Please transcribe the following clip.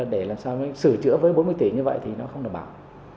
để làm sao sửa chữa với bốn mươi tỷ như vậy thì nó không đảm bảo